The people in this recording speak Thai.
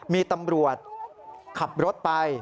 มีตำรวจขับรถไป